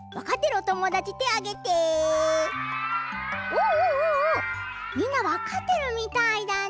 おおおおみんなわかってるみたいだね。